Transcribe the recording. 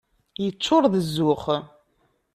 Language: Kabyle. Yeččuṛ d zzux.